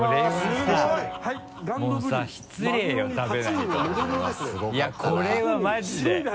いやこれはマジで。